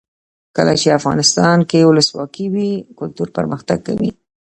کله چې افغانستان کې ولسواکي وي کلتور پرمختګ کوي.